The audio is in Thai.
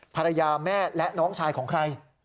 ภรรยาแม่และน้องชายของใคร